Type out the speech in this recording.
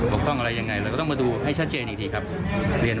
กพร่องอะไรยังไงเราก็ต้องมาดูให้ชัดเจนอีกทีครับ